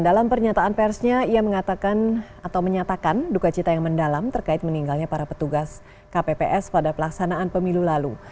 dalam pernyataan persnya ia mengatakan atau menyatakan duka cita yang mendalam terkait meninggalnya para petugas kpps pada pelaksanaan pemilu lalu